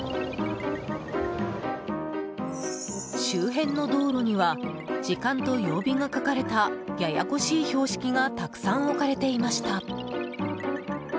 周辺の道路には時間と曜日が書かれたややこしい標識がたくさん置かれていました。